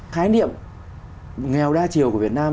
khái niệm nghèo đa chiều của việt nam